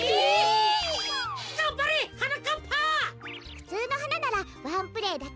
ふつうのはなならワンプレーだけ。